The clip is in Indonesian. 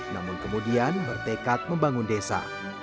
namun kemudian bertekad membangun desa